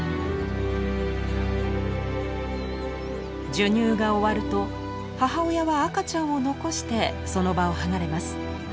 授乳が終ると母親は赤ちゃんを残してその場を離れます。